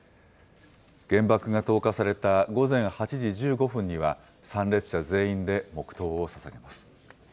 原爆が投下された午前８時１５分には、参列者全員で黙とうをささげます。